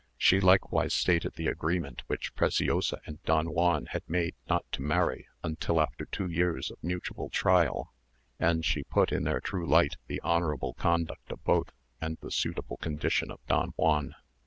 She likewise stated the agreement which Preciosa and Don Juan had made not to marry until after two years of mutual trial; and she put in their true light the honourable conduct of both, and the suitable condition of Don Juan.